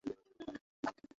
অহ, হ্যাঁ।